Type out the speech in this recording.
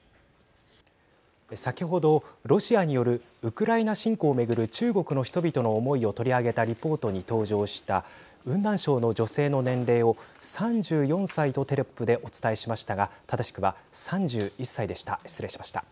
先ほど、ロシアによるウクライナ侵攻をめぐる中国の人々の思いを取り上げたリポートに登場した雲南省の女性の年齢を３４歳とテロップでお伝えしましたが正しくは３１歳でした、失礼しました。